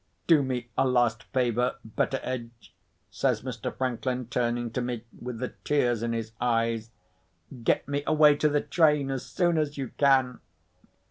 "Do me a last favour, Betteredge," says Mr. Franklin, turning to me, with the tears in his eyes. "Get me away to the train as soon as you can!"